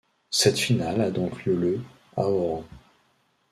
Cette finale a donc lieu le à Oran.